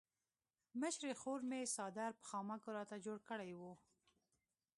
مشرې خور مې څادر په خامکو راته جوړ کړی وو.